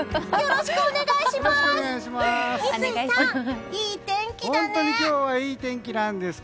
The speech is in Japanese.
よろしくお願いします！